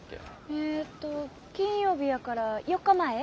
えっと金曜日やから４日前。